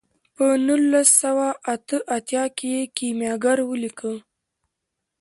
په نولس سوه اته اتیا کې یې کیمیاګر ولیکه.